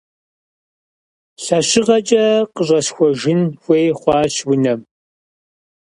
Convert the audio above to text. Лъэщыгъэкэ къыщӀэсхуэжын хуей хъуащ унэм.